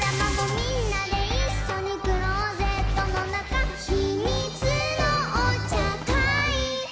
「みんなでいっしょにクローゼットのなか」「ひみつのおちゃかい」